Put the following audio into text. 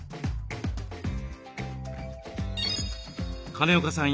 金岡さん